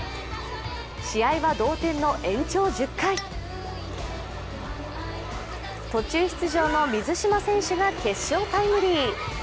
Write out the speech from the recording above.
試合は同点の延長１０回、途中出場の水島選手が決勝タイムリー。